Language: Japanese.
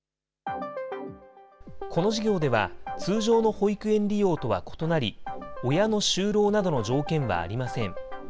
この事業では、通常の保育園利用とは異なり、親の就労などの条件はありません。